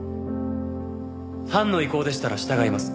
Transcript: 班の意向でしたら従います。